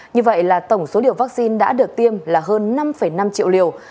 như vậy là tổng số liều vaccine đã được tiêm là hơn năm năm triệu liều